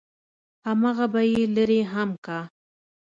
همغه به يې لرې هم کا.